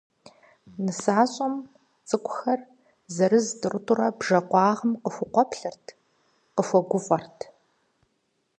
Нысащӏэм, цӏыкӏухэр, зырыз-тӏурытӏурэ, бжэ къуагъым къыхукъуэплъырт, къыхуэгуфӏэхэрт.